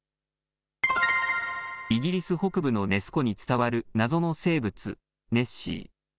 イギリス北部のネス湖に伝わる謎の生物、ネッシー。